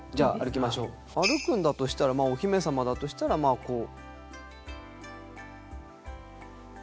歩くんだとしたらまあお姫様だとしたらこう。